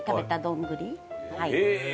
へえ。